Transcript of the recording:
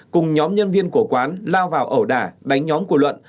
cùng nhóm nhân viên của quán lao vào ẩu đả đánh nhóm của luận